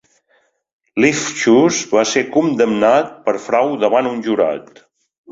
Lifchus va ser condemnat per frau davant un jurat.